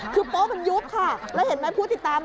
คือโป๊ะมันยุบค่ะแล้วเห็นไหมผู้ติดตาม